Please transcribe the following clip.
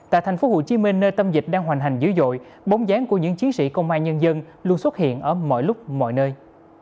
tại tp hcm nơi tâm dịch đang hoành hành dữ dội bóng dáng của những chiến sĩ công an nhân dân luôn xuất hiện ở mọi lúc mọi nơi